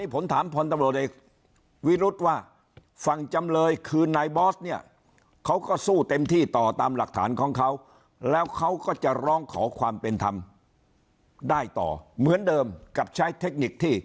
ผิดอย่างเดียวนะไม่ใช่